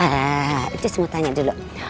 nah itu semua tanya dulu